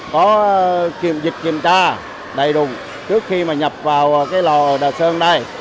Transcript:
có kiểm dịch kiểm tra đầy đủ trước khi mà nhập vào cái lò đà sơn đây